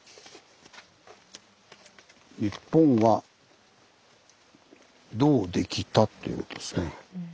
「『日本』はどうできた？」ということですね。